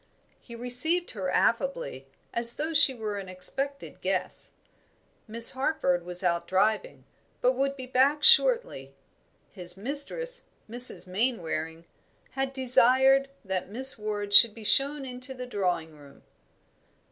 He received her affably, as though she were an expected guest. Miss Harford was out driving, but would be back shortly; his mistress, Mrs. Mainwaring, had desired that Miss Ward should be shown into the drawing room.